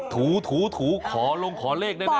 ถูขอลงขอเลขแน่